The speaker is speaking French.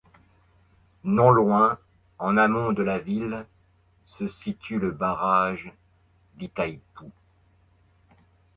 Non loin, en amont de la ville, se situe le barrage d'Itaipu.